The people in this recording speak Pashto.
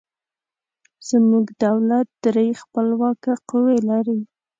زموږ دولت درې خپلواکه قوې لري.